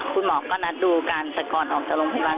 คุณหมอก็นัดดูการแต่ก่อนออกจากโรงพยาบาล